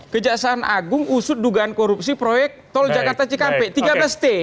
kejaksaan agung usut dugaan korupsi proyek tol jakarta cikampek tiga belas t